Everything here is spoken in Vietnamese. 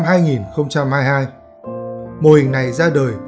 mô hình này ra đời